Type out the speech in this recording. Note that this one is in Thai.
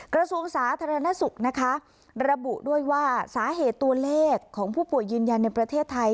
กระทรวงสาธารณสุขนะคะระบุด้วยว่าสาเหตุตัวเลขของผู้ป่วยยืนยันในประเทศไทย